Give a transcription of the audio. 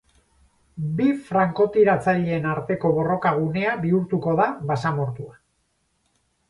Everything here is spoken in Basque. Bi frankotiratzaileen arteko borroka gunea bihurtuko da basamortua.